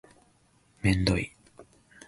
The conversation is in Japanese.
めんどい